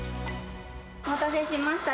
お待たせしました。